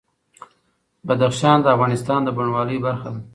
بدخشان د افغانستان د بڼوالۍ برخه ده.